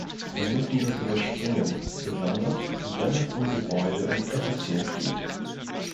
Wir müssen das überspringen, besonders, wenn es um Gebäude und Effizienz geht.